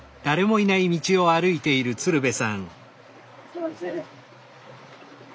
・すいません。